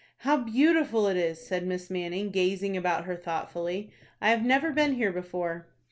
"How beautiful it is!" said Miss Manning, gazing about her thoughtfully. "I have never been here before."